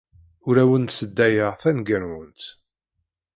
Ur awent-sseddayeɣ tanegga-nwent.